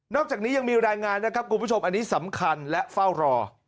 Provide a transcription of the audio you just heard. อกจากนี้ยังมีรายงานนะครับคุณผู้ชมอันนี้สำคัญและเฝ้ารอ